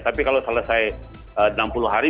tapi kalau selesai enam puluh hari